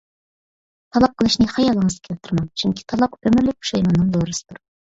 تالاق قىلىشنى خىيالىڭىزغا كەلتۈرمەڭ! چۈنكى، تالاق ئۆمۈرلۈك پۇشايماننىڭ دورىسىدۇر.